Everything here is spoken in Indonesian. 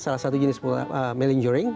salah satu jenis melingerings